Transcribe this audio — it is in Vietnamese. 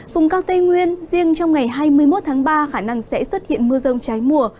vùng cao tây nguyên riêng trong ngày hai mươi một tháng ba khả năng sẽ xuất hiện mưa rông trái mùa